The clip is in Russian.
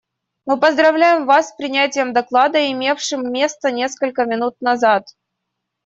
Мы поздравляем Вас с принятием доклада, имевшим место несколько минут назад.